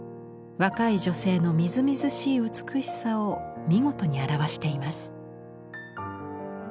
若い女性のみずみずしい美しさを見事に表しています。